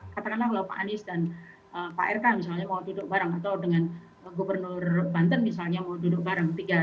katakanlah kalau pak anies dan pak rk misalnya mau duduk bareng atau dengan gubernur banten misalnya mau duduk bareng